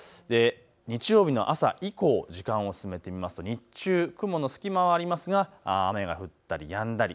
日曜日の朝以降、時間を進めてみますと日中、雲の隙間はありますが雨が降ったりやんだり。